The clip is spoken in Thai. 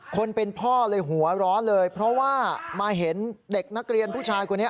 คนเป็นพ่อเลยหัวร้อนเลยเพราะว่ามาเห็นเด็กนักเรียนผู้ชายคนนี้